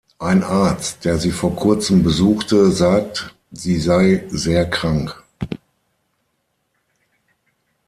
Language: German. Ein Arzt, der sie vor kurzem besuchte, sagt, sie sei sehr krank.